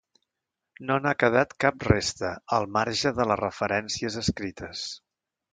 No n'ha quedat cap resta, al marge de les referències escrites.